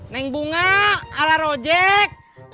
neng bunga ada rojek